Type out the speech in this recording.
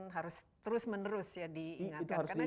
harus terus menerus diingatkan